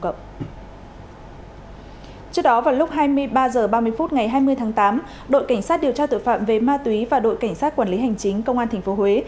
trước đó vào lúc hai mươi ba h ba mươi phút ngày hai mươi tháng tám đội cảnh sát điều tra tội phạm về ma túy và đội cảnh sát quản lý hành chính công an tp huế